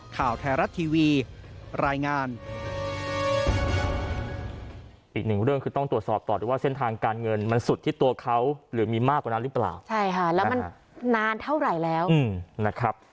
ข่าวไทยรัฐทีวีรายงาน